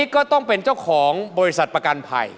ก็ต้องเป็นเจ้าของบริษัทประกันภัย